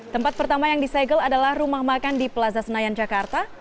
tempat pertama yang disegel adalah rumah makan di plaza senayan jakarta